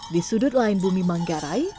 di sudut lain bumi manggarai